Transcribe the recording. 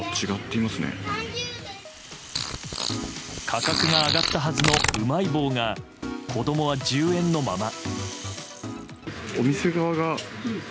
価格が上がったはずのうまい棒が子供は１０円のまま。